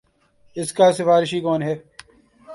اس کا سفارشی کون ہے۔